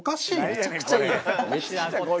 めちゃくちゃいいです。